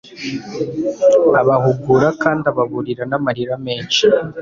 abahugura kandi ababurira n’amarira menshi.